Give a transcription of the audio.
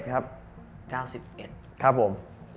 ครับผม